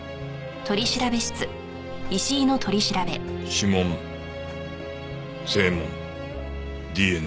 指紋声紋ＤＮＡ